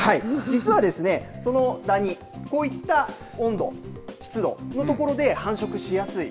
実は、そのだに、こういった湿度の所で繁殖しやすい。